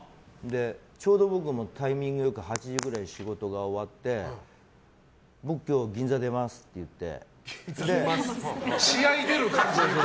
ちょうど僕もタイミングよく８時くらいに仕事が終わって僕、今日銀座出ますって言って。